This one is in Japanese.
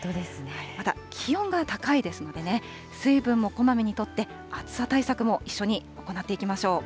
また気温が高いですので、水分もこまめにとって、暑さ対策も一緒に行っていきましょう。